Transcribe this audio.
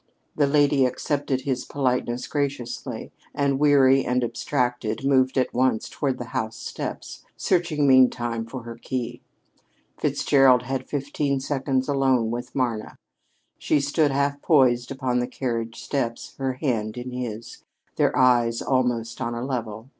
That lady accepted his politeness graciously, and, weary and abstracted, moved at once toward the house steps, searching meantime for her key. Fitzgerald had fifteen seconds alone with Marna. She stood half poised upon the carriage steps, her hand in his, their eyes almost on a level.